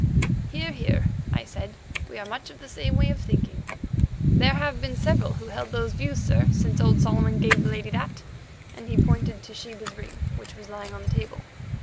"Hear, hear," I said; "we are much of the same way of thinking." "There have been several who held those views, sir, since old Solomon gave the lady that"—and he pointed to Sheba's ring, which was lying on the table.